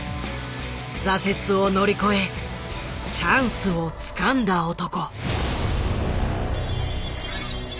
挫折を乗り越えチャンスをつかんだ男。